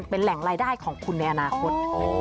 เป็นแหล่งรายได้ของคุณในอนาคต